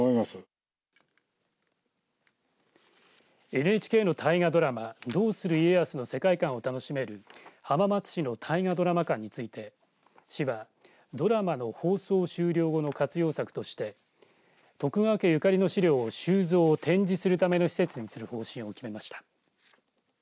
ＮＨＫの大河ドラマどうする家康の世界観を楽しめる浜松市の大河ドラマ館について市はドラマの放送終了後の活用策として徳川家ゆかりの資料を収蔵、展示するための施設にする方針を決めました。